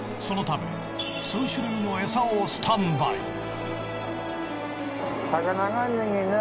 そのため数種類のエサをスタンバイ。